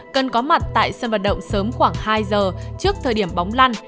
cần có mặt tại sân vận động sớm khoảng hai giờ trước thời điểm bóng lăn